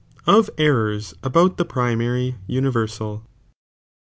— Of Errors about the primiirtf Universal.